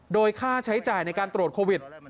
โดยค่าใช้จ่ายในการตรวจโควิด